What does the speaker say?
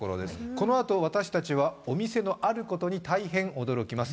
このあと私達はお店のあることに大変驚きます